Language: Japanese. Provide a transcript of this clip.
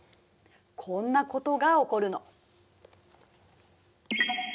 こんなことが起こるの。